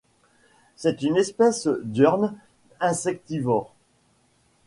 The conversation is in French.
C'est une espèce diurne insectivore.